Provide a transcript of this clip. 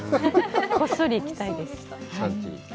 こっそり行きたい。